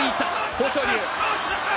豊昇龍。